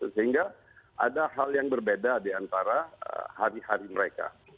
sehingga ada hal yang berbeda di antara hari hari mereka